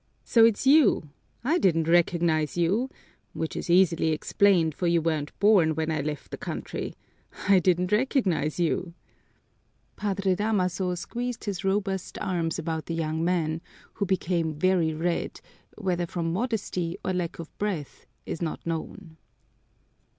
So it's you! I didn't recognize you, which is easily explained, for you weren't born when I left the country, I didn't recognize you!" Padre Damaso squeezed his robust arms about the young man, who became very red, whether from modesty or lack of breath is not known.